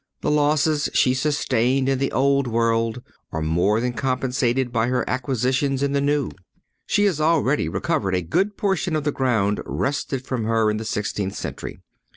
The losses she sustained in the old world are more than compensated by her acquisitions in the new. She has already recovered a good portion of the ground wrested from her in the sixteenth century.